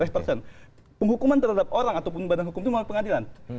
penghukuman terhadap orang ataupun badan hukum itu melalui pengadilan